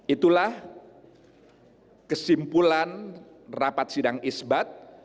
itulah kesimpulan rapat sidang isbat